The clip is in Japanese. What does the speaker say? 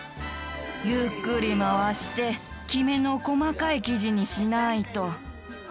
ゆっくり回してきめの細かい生地にしないと。